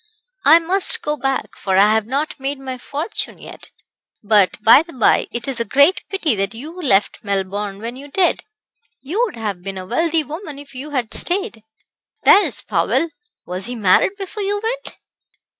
"I must go back, for I have not made my fortune yet. But, by the by, it is a great pity that you left Melbourne when you did. You would have been a wealthy woman if you had stayed. There's Powell was he married before you went?"